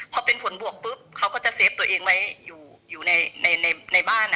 พอเป็นผลบวกปุ๊บเขาก็จะเฟฟตัวเองไว้อยู่ในบ้าน